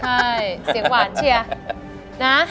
ใช่เสียงหวานเชียว